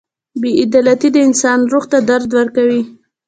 • بې عدالتي د انسان روح ته درد ورکوي.